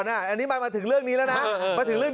โจ๊กกับวิคตอร์น่ะอันนี้มามาถึงเรื่องนี้แล้วนะมาถึงเรื่อง